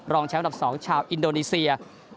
รองแชมป์อันดับ๒ชาวอินโดนีเซีย